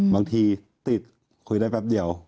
บางทีติดคุยได้แป๊บเดียว